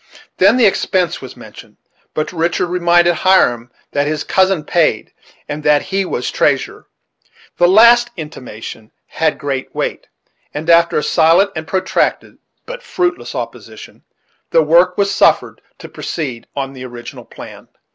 Then the expense was mentioned; but Richard reminded Hiram that his cousin paid, and that he was treasurer. This last intimation had great weight, and after a silent and protracted, but fruitless opposition, the work was suffered to proceed on the original plan.